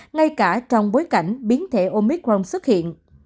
ngay cả trong bối cảnh biến thể omicron xuất hiện